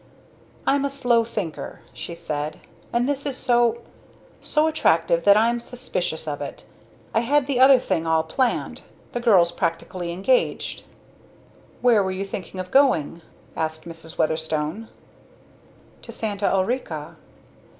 "I'm a slow thinker," she said, "and this is so so attractive that I'm suspicious of it. I had the other thing all planned the girls practically engaged." "Where were you thinking of going?" asked Mrs. Weatherstone. "To Santa Ulrica."